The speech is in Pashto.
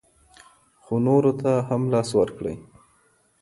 خو نورو ته هم لاس ورکړئ.